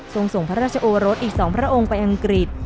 ส่งส่งพระราชโอรสอีก๒พระองค์ไปอังกฤษ